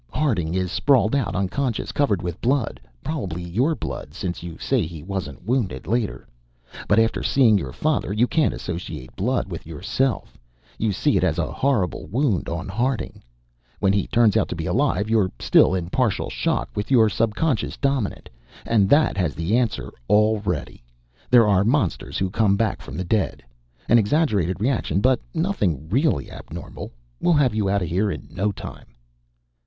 Harding is sprawled out unconscious, covered with blood probably your blood, since you say he wasn't wounded, later. "But after seeing your father, you can't associate blood with yourself you see it as a horrible wound on Harding. When he turns out to be alive, you're still in partial shock, with your subconscious dominant. And that has the answer already. There are monsters who come back from the dead! An exaggerated reaction, but nothing really abnormal. We'll have you out of here in no time."